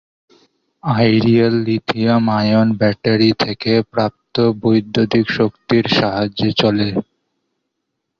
I-real lithium ion battery থেকে প্রাপ্ত বৈদ্যুতিক শক্তির সাহায্যে চলে।